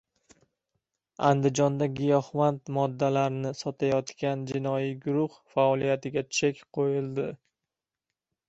Andijonda giyohvand moddalarni sotayotgan jinoiy guruh faoliyatiga chek qo‘yildi